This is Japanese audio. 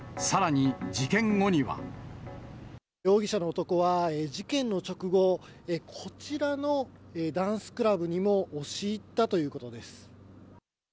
容疑者の男は、事件の直後、こちらのダンスクラブにも押し入ったということです。